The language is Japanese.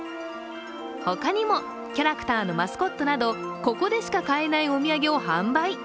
他にもキャラクターのマスコットなどここでしか買えないお土産を販売。